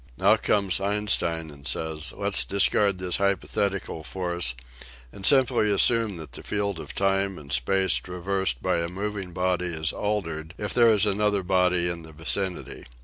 Now comes Einstein and says :*' Let's discard this hypothetical force and simply assume that the field of time and space traversed by a moving body is altered if there ia an other body in the vicinity."